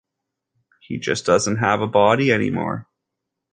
He just doesn't have a body anymore.